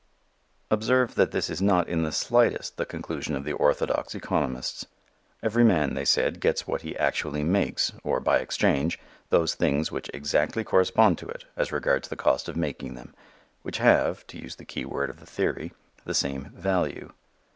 Observe that this is not in the slightest the conclusion of the orthodox economists. Every man, they said, gets what he actually makes, or, by exchange, those things which exactly correspond to it as regards the cost of making them which have, to use the key word of the theory, the same value.